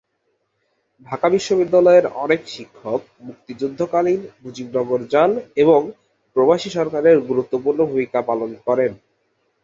ঢাকা বিশ্ববিদ্যালয়ের অনেক শিক্ষক মুক্তিযুদ্ধকালীন মুজিবনগর যান এবং প্রবাসী সরকারে গুরুত্বপূর্ণ ভূমিকা পালন করেন।